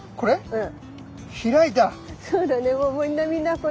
うん。